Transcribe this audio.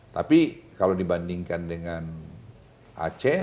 tapi kalau dibandingkan dengan aceh